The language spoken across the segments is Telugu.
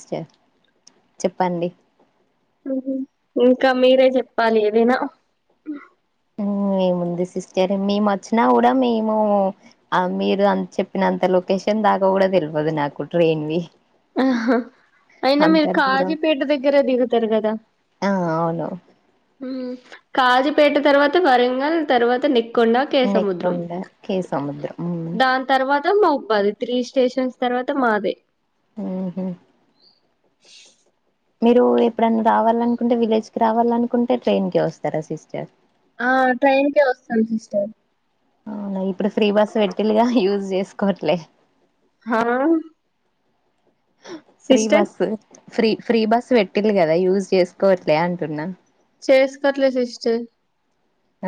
చె చెప్పండి ఇంకా మీరే చెప్పాలి ఏదైనా హ్మ్ ఏముంది సిస్టర్ మేము అచ్చినా కూడా మేము మీరు అం చెప్పినంతలో లొకేషన్ దాకా కూడా తెలువదు నాకు ట్రైన్ వి ఆహా అయినా మీరు దూరం కాజీపేట దగ్గరే దిగుతారు కదా హాల్లో కాజిపేట తర్వాత వరంగల్ తర్వాత నెక్ కొండా కేసముద్రం నెక్కొండ కే సముద్రం దాని తర్వాత మా బాద్ ‌త్రీ స్టేషన్స్ తర్వాత మాదే ఉహూ [inaudible] మీరు ఎప్పుడన్నా రావాలనుకుంటే విలేజ్ కి రావాలనుకుంటే ట్రైన్ కే వస్తారా సిస్టర్ ఆ ట్రైన్కే వస్తాను సిస్టర్ అవునా ఇప్పుడు ఫ్రీ బస్ పెట్టిల్‌గా యూజ్ చేసుకోవట్లే హఆహ్ free bus free free bus పెట్టిండు కదా యూజ్ చేసుకోవట్లే అంటున్నా చేసుకోట్లేదు సిస్టర్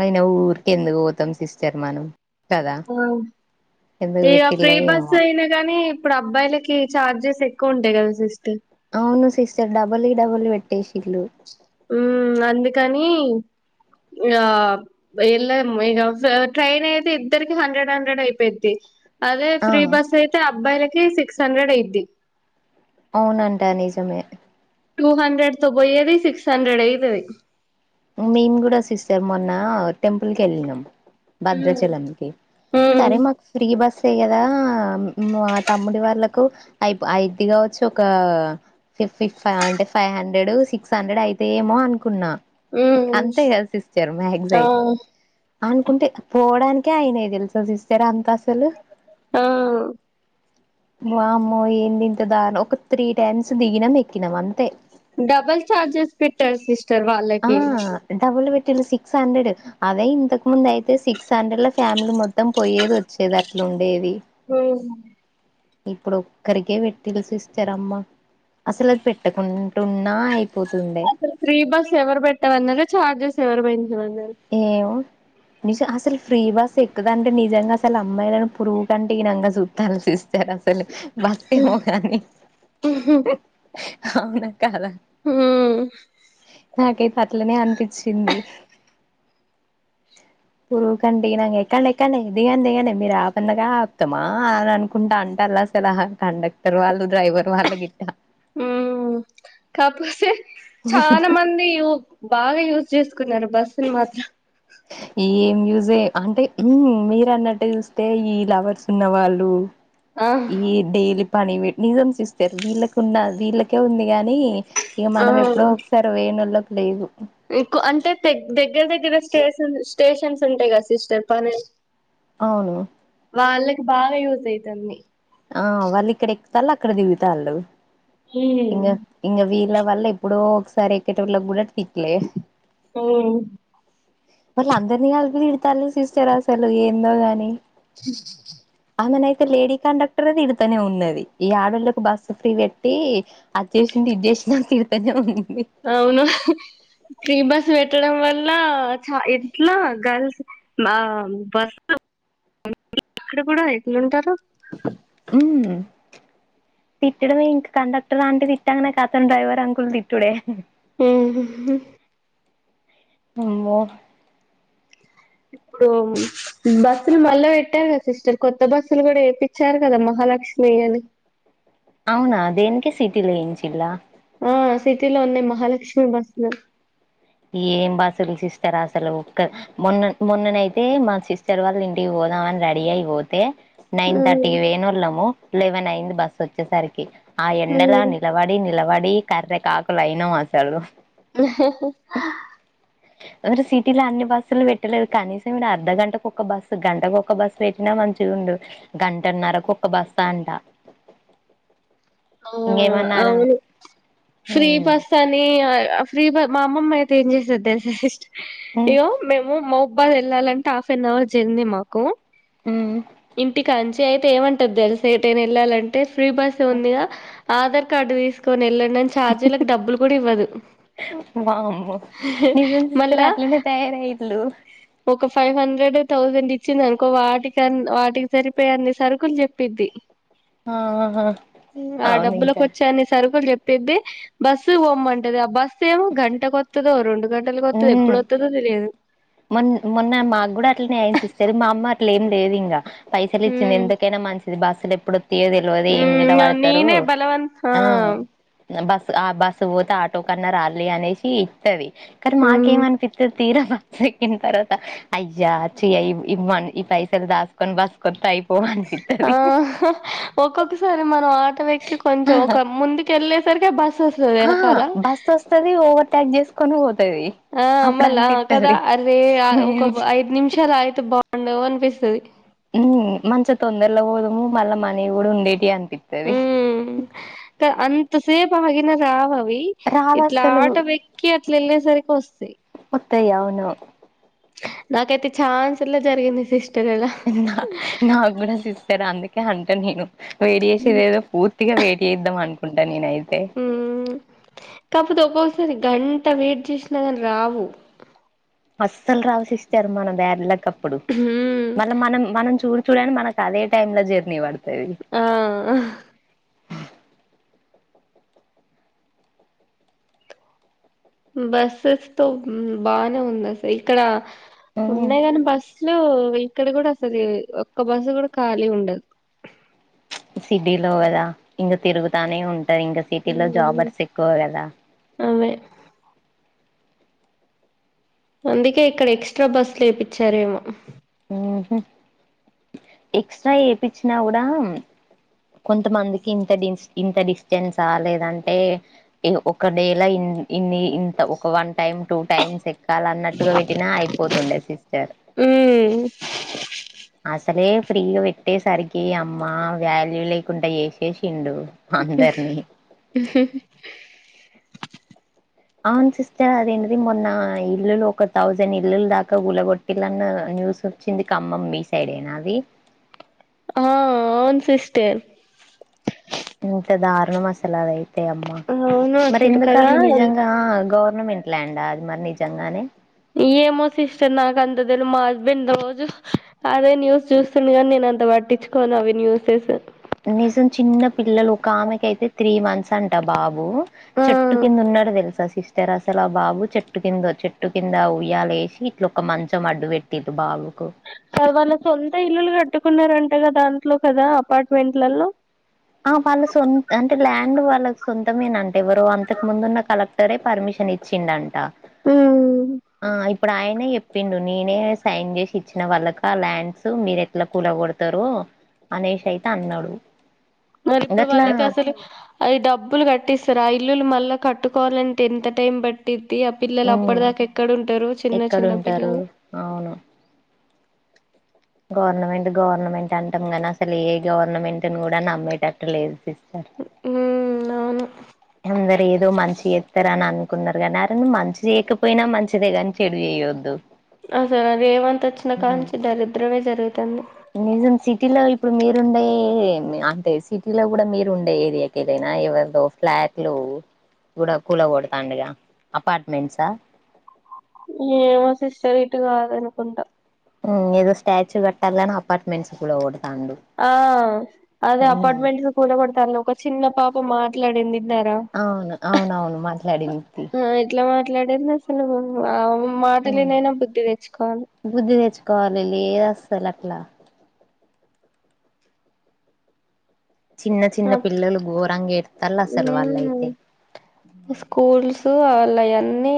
అయిన యూకే ఎందుకు పోతాం సిస్టర్ మనం కదా ఆ ఎందుకు ఇక ఫ్రీ పెట్టిల్లో బస్ ఏమో అయినా గానీ ఇప్పుడు అబ్బాయిలకి చార్జెస్ ఎక్ క్కువ ఉంటాయ్ కాదా సిస్టర్ అవును సిస్టర్ డబల్‌కి డబుల్ పెట్టేసిల్లు హమ్ అందుకని ఆ ఎల్లమ్ ఇగ ట్రైన్ అయితే ఇద్దరికి హండ్రెడ్ హండ్రెడ్ అయిపోయిద్ది అదే ఆ ఫ్రీ బస్ అయితే అబ్బాయిలకి సిక్స్ హండ్రెడ్ అయిది అవునంటా నిజమే టూ హండ్రెడ్ తో పోయేది సిక్స్ హండ్రెడ్ అయితాది మేము కూడా సిస్టర్ మొన్న టెంపుల్ కెళ్లినాం ఉమ్ భద్రాచలం కి సరే మాకు ఫ్రీ బస్ యే కదా మా తమ్ముడి వాళ్లకు ఐయ్యిది కావచ్చు ఒక ఫిఫ్ పీఫ్ అంటే ఫైవ్ హండ్రెడ్ సిక్స్ హండ్రెడ్ అయితే ఏమో అనుకున్నా ఉమ్ అంతే కదా ఆ సిస్టర్మ్యాగ్జట్ అనుకుంటే పోవడానికే అయినయి తెలుస సిస్టర్ అంత అసలు ఆహ్ వామ్మో ఏంటి ఇట్టాదా ఒక త్రీ టైమ్స్ దిగినాం ఎక్కినం అంతే డబల్ చార్జెస్ పెట్టారు సిస్టర్ ఆ వాళ్ళకి డబుల్ సిక్స్ హండ్రెడ్ అదే ఇంతకు ముందు అయితే సిక్స్ హండ్రెడ్ లో ఫ్యామిలీ మొత్తం పోయేది వచ్చేది అట్లు ఉండేది ఉహ్ హు ఇప్పుడు ఒక్కరికే పెట్టిలు సిస్టర్ అమ్మ అసలు అది పెట్టకుంటున్నా అయి అసలు ఫ్రీ బస్ ఎవరు పెట్టమన్నారు ఛార్జెస్ ఎవరు పెంచమన్నారు ఏమో నిజం అసలు ఫ్రీ బస్ ఎక్కదంటే నిజంగా అసలు అమ్మాయిని పురుగు కంటే హీనంగా చూస్తారు సిస్టర్ కదా అసలు బస్ ఏమో కానీ అవునా కాద ఉమ్ నాకైతే అట్లనే అనిపిచింది పురుగు కంటే హీణంగా ఎక్కండి ఎక్కండి దిగండి దిగండి మీరు ఆపందగా ఆప్తామా అని అనుకుంటా అంటారు కండక్టర్ వాళ్లు డ్రైవర్ వాళ్లు గిట్ కాపోతే చాలా మంది యు బాగా యూస్ చేసుకున్నారు బస్సులు మాత్రం ఏం యూజే అంటే మీర అన్నట్టు చూస్తే ఈ లవర్స్ ఉన్నవాళ్ళు ఆ ఈ డైలీ పని నిజంస్ సిస్టర్ వీళ్ళకి ఉన్న వీళ్ళకే ఉంది ఇగ అది ఆ మనం ఎప్పుడో ఒకసారు బోయినోళ్ళకి లేదు ఎక్కు అంటే దగ్గర దగ్గర స్టేషన్ స్టేషన్స్ ఉంటాయి కదా సిస్టర్ పని అవును వాళ్ళకి బాగా యూజ్ అయితాంది ఆ వాళ్ళు ఇక్కడ ఎక్కుతాళ్ళు అక్కడ దిగుతాళ్ళు ఇంక ఉమ్ ఇంక వీళ్ళ వల్ల ఎప్పుడో ఒకసారి ఎక్కేటోళ్ల కూడా తిట్లే ఉమ్ మళ్ళ అందరినీ కలిపి తిడతారు సిస్టర్ అసలు ఏందో గాని [inaudible] మొన్న అయితే లేడి కండెక్ట్ ర్ తిడుతానే ఉన్నది ఈ ఆడోళ్ళకి బస్సు ఫ్రీ పెట్టి అడ్జెసిండు ఇడ్జెసిండు తిడుతనే ఉ అవును ఫ్రీ బస్ పెట్టడం వల్ ల్ల చ ఎట్లా గర్ల్స్ మా బస్ అక్కడ కూడా ఎట్లుంటారు ఉమ్ తిట్టడమే ఇంకా కండక్టర్ ఆంటీ తిట్టడమే కతం డ్రైవర్ అంకుల్ తిట్టుడే ఉమ్ హుహు అమ్మో ఇప్పుడు బస్సులు మళ్ళా పెట్టారు కదా సిస్టర్ కొత్త బస్సులు కూడా వేపిచ్చారు కదా మహా లక్ష్మి అని అవునా దేనికి సిటీ లో వేయిచ్చిల్లా ఆ సిటీలో ఉన్నాయి మహాలక్ష్మి బస్లు ఏం బస్సులు సిస్టర్ అసలు ఒక్క మొన్న మొన్ననయితే మా సిస్టర్ వాళ్ళ ఇంటికి పోదామని రెడీ అయి పోతే నైన్ థర్టీ పొయ్యినోళ్ళము లెవెన్ అయింది బస్ వచ్చేసరికి ఆ ఎండలా నిలబడి నిలబడి కర్రె కాకులు అయినాం అసలు ఉహుహు ఓరు సిటీలో అన్ని బస్సులు పెట్ పెట్టలేదు కనీసం ఈడ అర్ధ గంటకు ఒక్క బస్సు గంటకు ఒక్క బస్సు పెట్టినా మంచి గుండు గంటన్నరకు ఒక బస్తా అంట ఆ ఇంకేమన్నారా అవును ఫ్రీ ఉమ్ బస్ అని ఆ ఫ్రీ బ మా అమ్మమ్మ అయితే ఏం జేసెది దెల్సా సిస్టర్ ఉమ్ ఇయ్యో మేము మ హెబ్బాల్ ఎళ్ళాలంటే హాఫ్ అన్ అవర్ జర్నీ మాకు ఉమ్ ఇంటికాంచే అయితే ఏమంటది దెల్సా ఎటైన ఎళ్ళాలంటే ఫ్రీ బస్ ఉందిగా ఆధార్ కార్డు తీసుకొని ఎళ్ళండని ఛార్జీలకు డబ్బులు కూడా ఇవ్వదు వామ్మో నిజం సిస్టర్ మళ్ళా అట్లనే తయారయిల్లు ఒక ఫైవ్ హండ్రెడ్ థౌజండ్ ఇచ్చింది అనుకో వాటికన్ వాటికి సరిపోయే అన్ని సరుకులు చెప్పిద్ది ఆహా ఆ అవును డబ్బులకి ఇంకా వచ్చే అన్ని సరుకులు జెప్ పెద్ది బస్సు వోమ్మంటది ఆ బస్ ఏమో గంట కొత్తదో రొండు గంటలకు ఒత్తదో ఉమ్ ఎప్పుడు ఒత్తదో తెలిదు మొన్ మొన్న మాగూడా అట్లనె ఐంది సిస్టర్ మా అమ్మ అట్లే ఏం లేదు ఇంగ పైసలు ఇచ్చింది ఉమ్ ఎందుకైనా మంచిది బస్సులు ఎప్పుడు ఒ తియో తెల్వది ఏం నిలవడతరు నేనే బలవంత ఆ బస్ ఆ బస్సు ఓతే ఆటో కన్నా రాల్లి అనేసి ఇత్తది కానీ ఉమ్ మాకేమనిపిత్తది తీరా ఎక్కిన తర్వాత అయ్యా చి అయింది ఇబ ఈ పైసలు దాసుకొని బసుకొత్తే అయ్ ఆ అహ ఒక్కొక్కసారి మనం ఆటో ఎక్కి కొంచెం ఒక ముందుకెళ్ళే సరిగా బస్ ఆ బస్ ఒస్తది ఓవర్ టేక్ జేసుకొని ఓ ఆ మళ్ళా ఆ కదా అరే ఆ ఒక ఐదు నిమిషాలు ఆగితే బాగుండు అని పిస్తది ఉమ్ మంచిగ తొందరలో పోదుము మళ్ళా మనీ కూడా ఉండేటియి అని పిత్తది త అంత సేప ఆగిన రావవ్ వి రాదు ఇట్లా అస్సలు ఆట వెక్కి అట్లా వెళ్ళే సరికి వస్తాయ్ తయ్ అవును నాకైతే ఛాన్స్ ఇట్ల జరిగింది సిస్ నా నాగూడా సిస్టర్ అందుకే అంటా నేను వేడి ఏసేదేదో పూర్ ర్తిగా వేట్ ఏద్దం అనుకుంటా నేనయితే జూడు ఒక్కొసారి గంట వెయిట్ జేషినా గాని రావు అస్సలు రావు సిస్టర్ మన బ్యాడ్లకప్పుడు ఉమ్ మళ్ళ మనం మనం చూడు చూడండి మనకు అదే టైమ్ ల జర్నీ వడ్ ఆ అహ్ బస్సెస్ తో బానే ఉంది అసల్ ఇక్కడ ఉమ్ ఉన్నాయి గాని బస్సులు ఇక్కడ కూడా అసది ఒక్క బస్ కూడా ఖాళీ ఉండదు సిడ్డిలో గద ఇంకా తిరుగుతానే ఉం టయ్ ఇంగ సిటీలో ఉమ్ జాబర్స్ ఎక్కువ గదా అవే అందుకే ఇక్కడ ఎస్ట్రా బస్సులు ఏపిచ్చారేమో ఊహ్మ్ ఎక్స్ట్ర ఏపిచ్చినా గూడా కొంతమందికి ఇంత డిస్ ఇంత డిస్టెన్స లేదంటే ఈ ఒక డేలా ఇం ఉమ్ ఇన్ని ఇంత ఒక వన్ టైమ్ టూ టైమ్స్ ఎక్కాల అన్నట్టుగా వెట్టినా అయిపోతుండే సిస్టర్ ఊమ్ అసలే ఫ్రీగా వెట్టేసరికి అమ్మ వాల్యూ లేకుండా చేసేసిండు ఉహ్ అందరినీ ఊహ్హ్ అవును సిస్టర్ అదేంటిది మొన్న ఇల్లులు ఒక థౌజండ్ ఇల్లులు దాకా గులగొట్టిల్లన్నర్ న్యూస్ ఒచ్చింది ఖమ్మం మీ సైడ్ ఏనా అది ఆ అవున్ సిస్టర్ ఇంత దారుణం అసల్ అదైతే అంతే అమ్మా అవును మరి అసలు కదా ఎందుకది నిజంగా గవర్నమెంట్ ల్యాండ్ అది మరి నిజంగానే ఏమో సిస్టర్ నాకు అంత తెేలు మా హస్బెండ్ రోజు అదే న్యూస్ చూస్తుండు కానీ నేను అంత పట్టించుకోను నేను అవి న్యూసెస్ నిజం చిన్న పిల్లలు ఒక ఆమెకి అయితే త్రీ మంత్స్ అంట బాబు ఆ చెట్టు కింద ఉన్నరు తెలుసా సిస్టర్ అ అసలా బాబు చెట్టు కిందో చెట్టు కింద ఉయ్యాల వేసి ఇట్ల ఒక మంచం అడ్డు పెట్టిరు బాబు అ వాళ్ళు సొంత ఇల్లులు కట్టుకున్నారంట క దాంట్లో కదా అపార్ట్మెంట్లలో ఆ వాళ్ళ సొంత అంటే ల్యాండ్ వాళ్ళకి సొంతమేనంటే ఎవరు అంతకు ముందున్న కలక్ సరే పర్మిషన్ ఇచ్చిండంట ఆ ఇప్ ఇప్పుడు ఆయన చెప్పిండు నేనే సైన్ చేసి ఇచ్చిన వాళ్ళకి ఆ ల్యాండ్స్ మీరు ఎట్లా కూల కొడతారు అనేష్ అయితె అన్నడు మరి ఇప్పుడు వాళ్ళకి అసలు అది డబ్బులు కట్టిస్తారు ఆ ఇల్లులు మళ్ళా కట్టుకోవాలంటే ఎంత టైం పట్టిద్ తీ అ పిల్లలు ఉమ్ అప్పటి దాకా ఎక్కడ ఉంటారు చిన్న చిన్న ఎక్కడుంటారు పిల్లలు అవును గవర్నమెంట్ గవర్నమెంట్ అంటాం గనీ అసలు ఏ గవర్నమెంట్ని కూడా నమ్మేటట్టు లేదు సిస్ ఊ అవును అందరు ఏదో మంచి చేస్తారు అని అనుకున్నారు గానీ అరే నువ్ మంచి చేయకపోయినా మంచిదే కాని చెడు చే ఇయోద్దు అసలు రేవంత్ వచ్చినా కా నుంచి దరిద్రమే జరుగుతుంది నిజం సిటీల ఇప్పుడు మీరుండే అంటే సిటీలో కూడా మీరుండే ఏరియాకి ఏదైనా ఇవదు ఫ్లాట్లు కూడా కూల కొడతండుగా అపార్ట్మెంట్సా ఏమో సిస్టర్ ఇటు కాదు అనుకుంటా ఊ ఏదో స్టాచు కట్టాలని అప్ ఆ అదే అపార్ట్మెంట్స్ కూడ [unintelligible] ఒక చిన్న పాప మాట్లాడిందిన్నారా అవును అవునవును మాట్లాడింది ఎట్లా మాట్లాడింది అసలు మాటలునైన బుద్ధి తెచ్చుకోవాలి కాలేలు ఏ వస్తలు అట్ల చిన్న చిన్న పిల్లలు ఘోరంగఎడతల అసలు మ్మ్ వాళ్ళయితే స్కూల్స్ అవన్నీ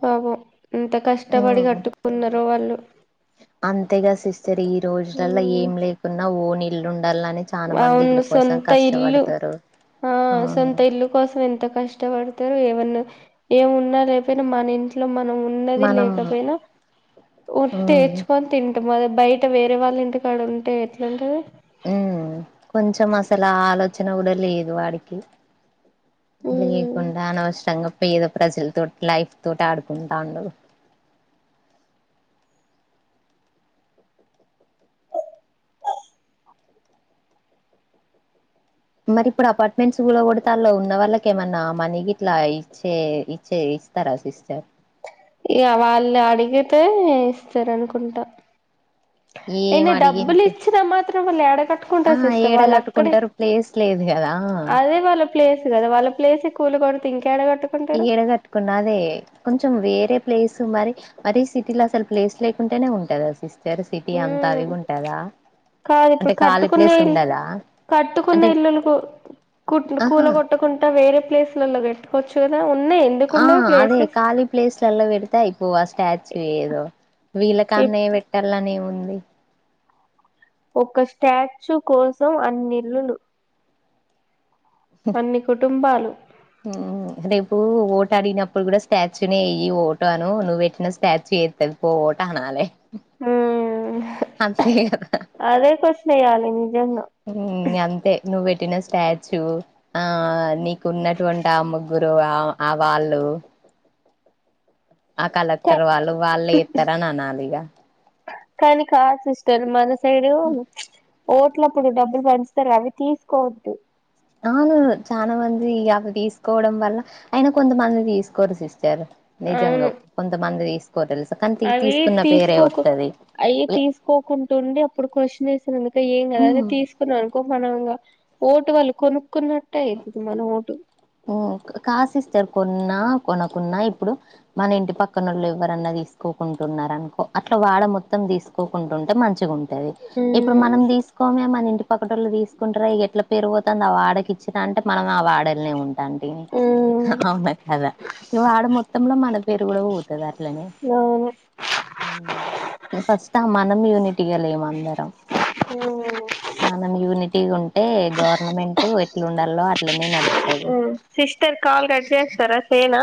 పాపం ఎంత కష్టపడి ఉమ్ కట్టుకున్నారో వాళ్ళు అంతేగా సిస్టర్ ఈ రోజులలో ఏం లేకున్నా ఓనిల్లు ఉండర్లాని చాల మంది అవును ఇల్లు కోసం సొంత ఇల్లు కష్టపడతారు ఆ సొంత ఇల్లు కోసం ఎంత కష్టపడతరు ఏమున్నా లేకపోయిన మన ఇంట్లో మనం ఉన్నది మనం లేకపోయిన మ్మ్ [unintelligible] తింటాం అద బయట వేరే వాళ్ళ ఇంటికాడ ఉంటే ఎట్లుంటది ఉ కొంచెం అసలు ఆలోచన కూడ లేదు వాడికి తెలికుండ అనవసరంగ పేద ప్రజలతో లైఫ్ తోటి ఆడుకుంట ఉండడు మరి ఇప్పుడు అపార్ట్మెంట్స్ కూడ కూడ తాలో ఉన్న వాళ్ళకెమన్నా మనీ ఇట్లా ఇచ్చే ఇచ్చే ఇస్తర సిస్టర్ వాళ్ళు అడిగితే ఇస్తార అనుకుంట ఏం అయిన డబ్బులు అడిగింది ఇచ్చినామాత్రం వాళ్ళు యాడ ఆ కట్టుకుంటారు సిస్టర్ వాళ్ళు అక్కడే ఏడగట్టుకుంటారు ప్లేస్ లేదు కదా అదే వాళ్ళ ప్లేస్ కద వాళ్ళ ప్లేస్ కూలుగొడ్తే ఇంక ఈడ కట్టుకున్నదే కొంచెం వే ప్లేస్ మరి మరీ సిటీలో అసలు ప్లేస్ లేకుంటేనే ఉంటద సిస్ [unintelligible] సిటీ అంతా ఉమ్ అదిగుంటాద కాదు ఇప్పుడు కట్టుకునే ఇల్లు అంటే కట్టుకున్న ఇల్లులుకు ఆహా కూల కొట్టకుంటా వేరే ప్లేసులలో కట్టుకోవచ్చు కదా ఉన్నాయి ఆ ఎందుకుండవు అదే ప్లేసెస్ కాాలీ ప్లేస్ల పెడితే అయిపోవ స్టాచు ఏదో వీళ్ళకన్నే పెట్టాలనేముంది ఒక్క స్టాచ్యు కోసం అన్ని ఇల్లులు అన్ని కుటుంబాలు ఓ ఓటడిగినప్పుడు గుడ స్టాచ్యూనే ఎయ్యి ఓటో అనో నువ్వు వెట్టిన స్టాచ్యూ ఎస్తది పో ఓటనాలే ఊ అంతే క్వశ్చన్ ఎయ్యాలి నిజంగా అంతే నువ్ వెట్ టిన స్టాచ్యూ ఆ నీకు ఉన్నటువంటి ఆ ముగ్గురు ఆ ఆ వాళ్ళు ఆ కలెక్టర్ వాళ్ళు వాల్లే ఇస్తారని అనాలి ఇగ కని క సిస్టర్ మన సైడు ఓట్లప్పుడు డబ్బుల్ బంచుతరు గ అవి తీసుకోద్దు ఆ చాన మంది అవి తీసుకోవడం వల్ల అయిన కొంతమంది తీసుకోరు సిస్టర్ నిజంగా అవును కొంతమంది దీ అవి తీసుకోకు అయ్యి తీసుకోకుంటుండి అప్పుడు క్వశ్చ్యన్ అందుకే ఏం గద అని మ్మ్ తీసుకున్నాం [unintelligible] ఓటు వాళ్ళు కొనుక్కున్నట్టే అయితది మన ఓటు ఉ కాద్ సిస్టర్ కొన్నా కొనకున్నా ఇప్పుడు మన ఇంటి పక్కనోళ్ళు ఎవ్వరన్నా తీసుకో కుంటున్నారనుకో అట్ల వాడ మొత్తం తీసుకోకుంటుంటే మంచిగున్ ఇప్పుడు ఉమ్ మనం తీసుకోమే మన ఇంటి పక్కటోళ్లు తీసుకుంటార ఎట్లా పెరు పోతంది ఆ వాడకి ఇచ్చినా అంటే మనం ఆ వాడలనే ఉంటాంటిమి ఉమ్ అవున కదా ఇ వాడ మొత్తంలో మన పేరు కూడ పోతది అట్లనే అవును ఫస్ట్ ఆ మనం యూని టి గా లేము అందరం మనం యూనిటీగ ఉంటే గవర్నమెంటు ఇట్లు ఉండాలో అట్లనే నడుపుతది ఉమ్ సిస్టర్ కాల్ కట్ జేస్తర చేయనా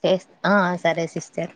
చే ఆ సరే సిస్టర్